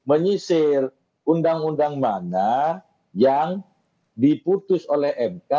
menyisir undang undang mana yang diputus oleh mk